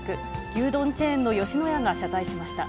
牛丼チェーンの吉野家が謝罪しました。